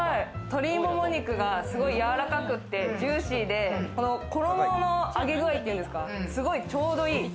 鶏もも肉がすごいやわらかくてジューシーで、この衣の揚げ具合っていうんですか、すごいちょうどいい。